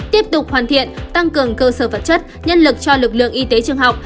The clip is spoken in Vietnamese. tiếp tục hoàn thiện tăng cường cơ sở vật chất nhân lực cho lực lượng y tế trường học